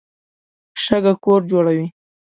شګه کور جوړوي.